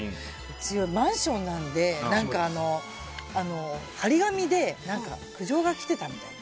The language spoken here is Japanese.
うちはマンションなので貼り紙で苦情が来てたみたい。